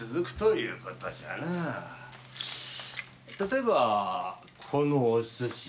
例えばこのお寿司